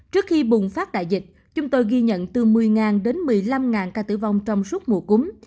trước khi bùng phát đại dịch chúng tôi ghi nhận từ một mươi đến một mươi năm ca tử vong trong suốt mùa cúm